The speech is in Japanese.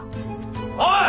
おい！